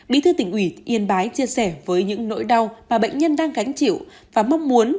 bí thư tỉnh ủy yên bái chia sẻ với những nỗi đau mà bệnh nhân đang gánh chịu và mong muốn